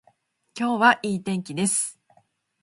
今日はいい天気です